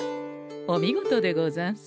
お見事でござんす。